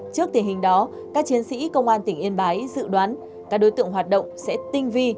trước tình hình đó các chiến sĩ công an tỉnh yên bái dự đoán các đối tượng hoạt động sẽ tinh vi